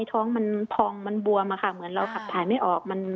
ท้องมันพองมันบวมอะค่ะเหมือนเราขับถ่ายไม่ออก